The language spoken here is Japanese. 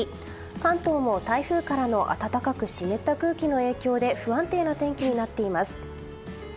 関東も台風からの暖かく湿った空気の影響で不安定な天気になっています。